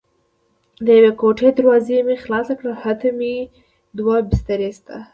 د یوې کوټې دروازه مې خلاصه کړه: هلته هم دوه بسترې شته.